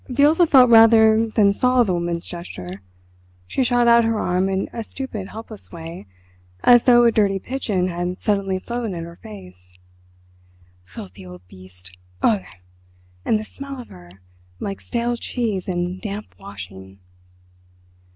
Viola felt rather than saw the woman's gesture. She shot out her arm in a stupid helpless way, as though a dirty pigeon had suddenly flown at her face. "Filthy old beast! Ugh! And the smell of her—like stale cheese and damp washing."